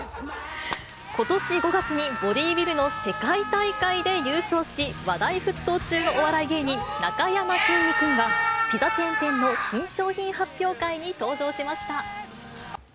ことし５月にボディービルの世界大会で優勝し、話題沸騰中のお笑い芸人、なかやまきんに君が、ピザチェーン店の新商品発表会に登場しました。